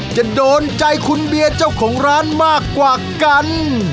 จะโดนใจคุณเบียร์เจ้าของร้านมากกว่ากัน